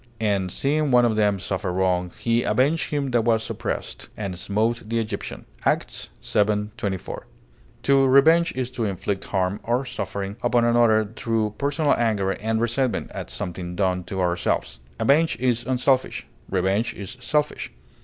"And seeing one of them suffer wrong, he avenged him that was oppressed, and smote the Egyptian," Acts vii, 24. To revenge is to inflict harm or suffering upon another through personal anger and resentment at something done to ourselves. Avenge is unselfish; revenge is selfish.